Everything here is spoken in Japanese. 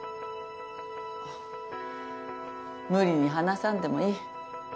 無理に話さんでもいい。